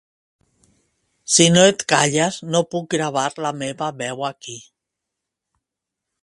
Si no et calles no puc gravar la meva veu aquí